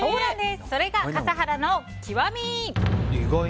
それが笠原の極み。